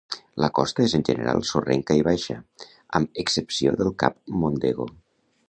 La costa és en general sorrenca i baixa, amb excepció del cap Mondego.